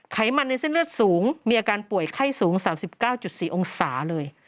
ไขมันในเส้นเลือดสูงมีอาการป่วยไข้สูง๓๙๔องศาเลย